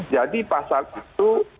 jadi pasal itu